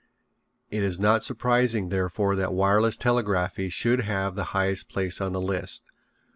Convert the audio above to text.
It is not surprising, therefore, that wireless telegraphy should have the highest place on the list.